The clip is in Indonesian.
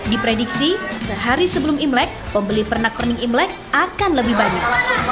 diprediksi sehari sebelum imlek pembeli pernak pernik imlek akan lebih banyak